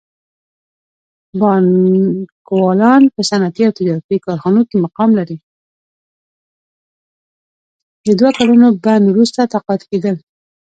د دوه کلونو بند وروسته تقاعد کیدل.